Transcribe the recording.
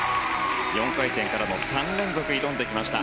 ４回転からの３連続に挑んできました。